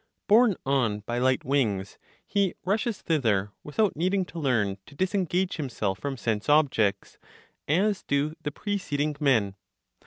Borne on by light wings, he rushes thither without needing to learn to disengage himself from sense objects, as do the preceding men.